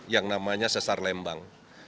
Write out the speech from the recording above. yang namanya sesar lembang